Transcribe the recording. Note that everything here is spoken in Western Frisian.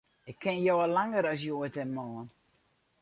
Ik ken jo al langer as hjoed en moarn.